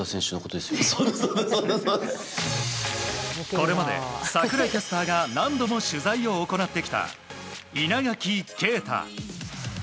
これまで櫻井キャスターが何度も取材を行ってきた稲垣啓太。